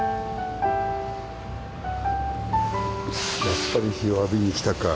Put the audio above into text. やっぱり日を浴びに来たか。